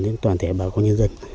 về bản thể bà con nhân dân